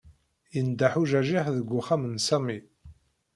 Yendeḥ ujajiḥ deg uxxam n Sami.